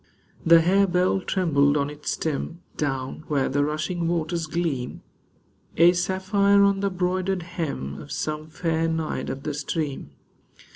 The harebell trembled on its stem Down where the rushing waters gleam, A sapphire on the broidered hem Of some fair Naiad of the stream.